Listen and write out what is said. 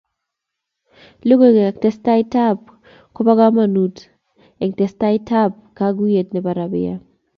Logoiywek ak tesetab tai ko bo kamanut eng tesetab kaguyet nebo rabia